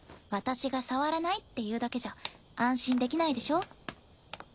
私が触らないって言うだけじゃ安心できないでしょ。